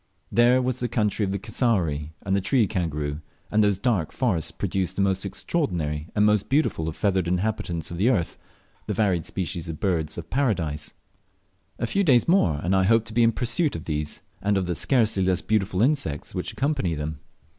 There was the country of the cassowary and the tree kangaroo, and those dark forests produced the most extraordinary and the most beautiful of the feathered inhabitants of the earth the varied species of Birds of Paradise. A few days more and I hoped to be in pursuit of these, and of the scarcely less beautiful insects which accompany them.